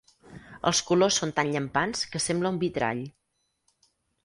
Els colors són tan llampants que sembla un vitrall.